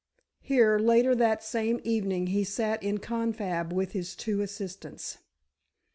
Here, later that same evening he sat in confab with his two assistants.